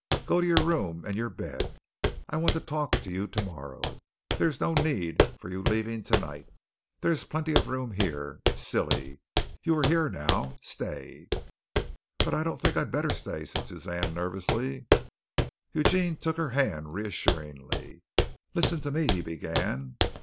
Go to your room and your bed. I want to talk to you tomorrow. There is no need of your leaving tonight. There is plenty of room here. It's silly. You're here now stay." "But I don't think I'd better stay," said Suzanne nervously. Eugene took her hand reassuringly. "Listen to me," he began.